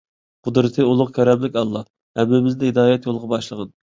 قۇدرىتى ئۇلۇغ كەرەملىك ئاللاھ، ھەممىمىزنى ھىدايەت يولىغا باشلىغىن!